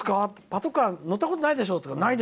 パトカー乗ったことないでしょうって。